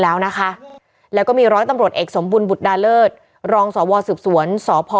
แล้วนะคะแล้วก็มีร้อยตำรวจเอกสมบุญบุตรดาเลิศรองสวสืบสวนสพ